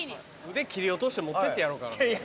腕切り落として持ってってやろうかな。